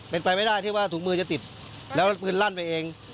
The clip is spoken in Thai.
เป็นไปไม่ได้ที่ว่าถุงมือจะติดแล้วปืนลั่นไปเอง